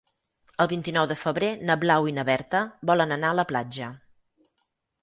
El vint-i-nou de febrer na Blau i na Berta volen anar a la platja.